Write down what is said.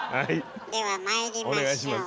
ではまいりましょう。